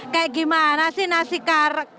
kayak gimana sih nasi kar